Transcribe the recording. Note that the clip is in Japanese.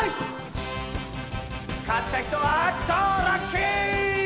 勝った人は超ラッキー！